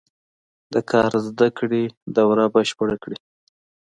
د کار زده کړې دوره بشپړه کړي.